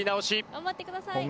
頑張ってください。